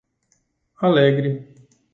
Alegre